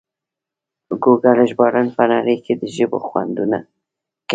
ګوګل ژباړن په نړۍ کې د ژبو خنډونه کموي.